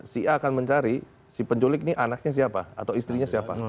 si a akan mencari si penculik ini anaknya siapa atau istrinya siapa